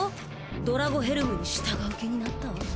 ドラゴヘルムに従う気になった？